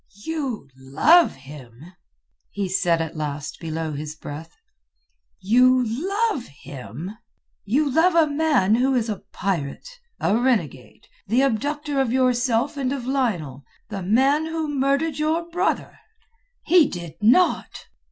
"You love him!" he said at last below his breath. "You love him! You love a man who is a pirate, a renegade, the abductor of yourself and of Lionel, the man who murdered your brother!" "He did not."